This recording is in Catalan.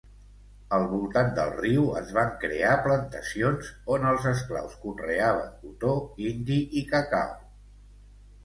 Al voltant del riu, es van crear plantacions on els esclaus conreaven cotó, indi i cacau.